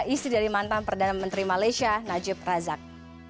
istri dari mantan perdana menteri malaysia najib razak